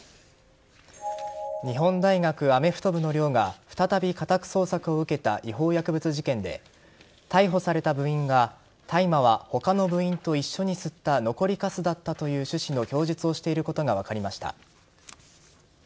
日本大学アメフト部の寮が再び家宅捜索を受けた違法薬物事件で逮捕された部員が大麻は他の部員と一緒に吸った残りかすだったという趣旨の供述をしていることが分かりました。